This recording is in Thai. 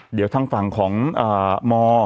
เดี๋ยวทางฝั่งของม